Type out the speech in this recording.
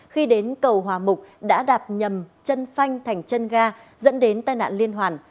khi đến cầu hòa mục đã đạp nhầm chân phanh thành chân ga dẫn đến tai nạn liên hoàn